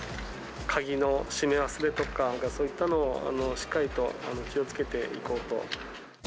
鍵の閉め忘れとか、そういったのをしっかりと気をつけていこうと。